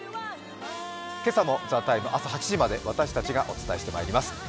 今朝も「ＴＨＥＴＩＭＥ，」朝８時まで私たちがお伝えしてまいります。